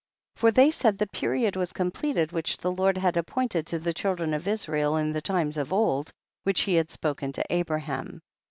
2. For they said the period was completed which the Lord had ap pointed to the children of Israel in the times of old, which he had spo ken to Abraham.